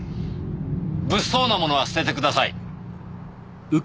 物騒な物は捨ててください。